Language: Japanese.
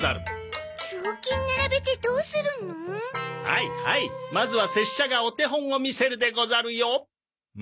はいはいまずは拙者がお手本を見せるでござるよ。